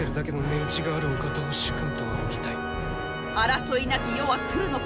争いなき世は来るのか？